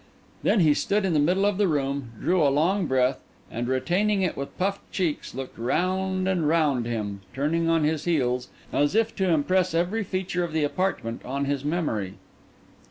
Then he stood in the middle of the room, drew a long breath, and retaining it with puffed cheeks, looked round and round him, turning on his heels, as if to impress every feature of the apartment on his memory.